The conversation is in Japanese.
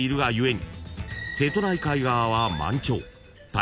［に